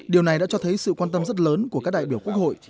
điều này đã cho thấy sự quan tâm rất lớn của các đại biểu quốc hội